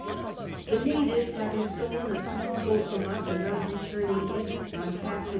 The natives having stolen a small goat from ns, and net returning it on Captain